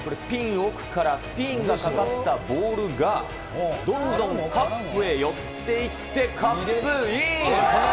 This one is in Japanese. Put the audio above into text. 奥からスピンがかかったボールが、どんどんカップへ寄っていってカップイン。